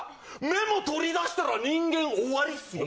メモ取りだしたら人間終わりっすよ